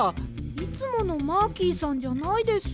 いつものマーキーさんじゃないです。